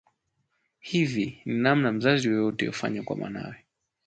Hivi ni namna mzazi yeyote hufanya kwa mwanawe